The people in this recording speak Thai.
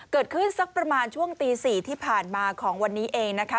สักประมาณช่วงตี๔ที่ผ่านมาของวันนี้เองนะคะ